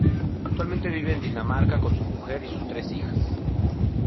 Actualmente vive en Dinamarca con su mujer y sus tres hijas.